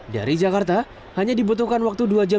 dari jakarta hanya dibutuhkan waktu dua jam